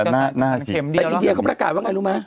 แต่อินเดียเขาประกาศว่าไงรู้ไหม